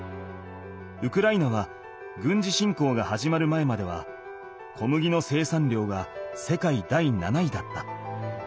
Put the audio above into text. ウクライナは軍事侵攻が始まる前までは小麦の生産量が世界第７位だった。